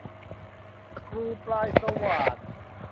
สกรูปลายสว่าน